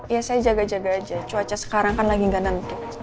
ya saya jaga jaga aja cuaca sekarang kan lagi nggak nanti